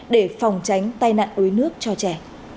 để phòng tránh tai nạn đuối nước cho trẻ